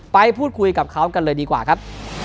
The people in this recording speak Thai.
ไปพูดคุยกับเขากันเลยดีกว่าครับ